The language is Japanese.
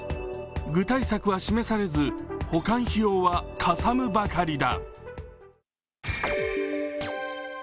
具体策は示されず、保管費用はかさむばかりだ。